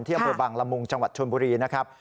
อำเภอบังละมุงจังหวัดชนบุรีนะครับ